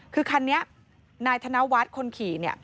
คือคันนี้นายธนวัฒน์คนขี่